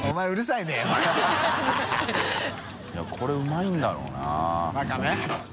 いこれうまいんだろうな。